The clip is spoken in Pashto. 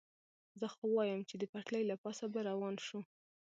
زه خو وایم، چې د پټلۍ له پاسه به روان شو.